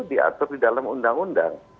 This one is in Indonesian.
diatur di dalam undang undang